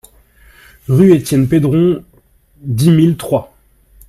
Rue Étienne Pedron, dix mille Troyes